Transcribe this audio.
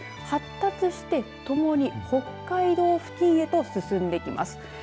発達して、ともに北海道付近へと進んできます。